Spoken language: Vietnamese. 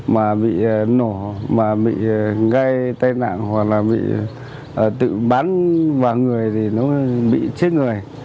mà bị nổ mà bị gây tai nạn hoặc là bị tự bán và người thì nó bị chết người